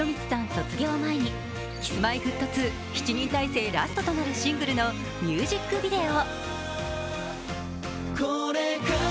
卒業前にＫｉｓ−Ｍｙ−Ｆｔ２、７人体制ラストとなるシングルのミュージックビデオ！